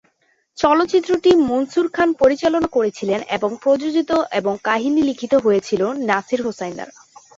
চলচ্চিত্রটি মনসুর খান পরিচালনা করেছিলেন এবং প্রযোজিত এবং কাহিনী লিখিত হয়েছিলো নাসির হুসাইন দ্বারা।